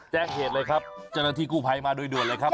แจ้งเหตุเลยครับเจ้าหน้าที่กู้ภัยมาโดยด่วนเลยครับ